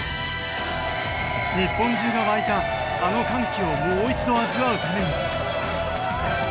日本中が沸いたあの歓喜をもう一度味わうために。